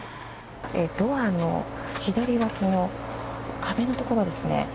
ドアの左脇の壁のところですね